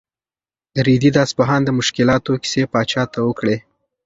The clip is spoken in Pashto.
رېدي د اصفهان د مشکلاتو کیسې پاچا ته وکړې.